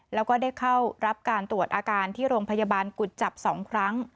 แล้วก็ได้เข้ารับการตรวจอาการที่โรงพยาบาลกุจจับ๒ครั้ง